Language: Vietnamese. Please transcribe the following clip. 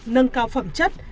nâng cao phẩm chất